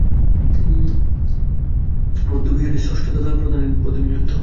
তিনি দ্গা'-ল্দান বৌদ্ধবিহারের ষষ্ঠ দ্গা'-ল্দান-খ্রি-পা বা প্রধানের পদে নিযুক্ত হন।